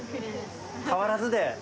変わらずで。